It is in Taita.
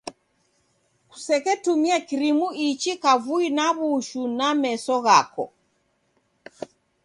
Kuseketumia krimu ichi kavui na w'ushu na meso ghako.